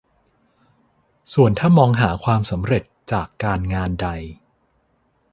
ส่วนถ้ามองหาความสำเร็จจากการงานใด